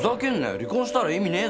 離婚したら意味ねえだろ。